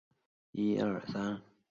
数学字母数字符号的正式名称。